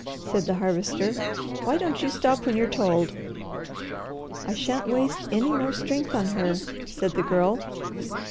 said the Harvester. "Why don't you stop when you're told?" "I shan't waste any more strength on her," said the Girl.